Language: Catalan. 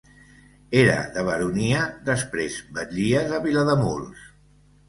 Era de baronia, després batllia, de Vilademuls.